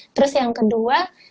terus yang kedua